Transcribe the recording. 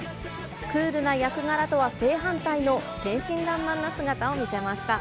クールな役柄とは正反対の天真らんまんな姿を見せました。